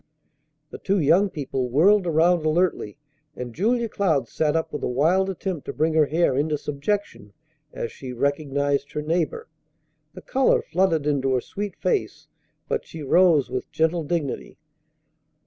The two young people whirled around alertly, and Julia Cloud sat up with a wild attempt to bring her hair into subjection as she recognized her neighbor. The color flooded into her sweet face, but she rose with gentle dignity.